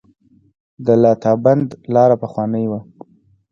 د لاتابند لاره پخوانۍ وه